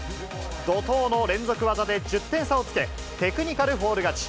怒とうの連続技で１０点差をつけ、テクニカルフォール勝ち。